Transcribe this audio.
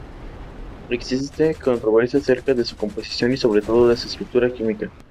Existe controversia acerca de su composición y sobre todo de su estructura química.